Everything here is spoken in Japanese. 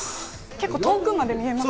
結構、遠くまで見えます？